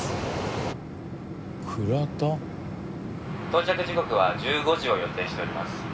「到着時刻は１５時を予定しております」